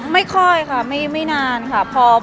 ไม่ค่อยค่ะไม่นานค่ะ